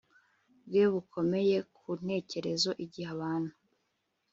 bwe bukomeye ku ntekerezo igihe abantu